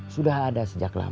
sudah ada sejak lama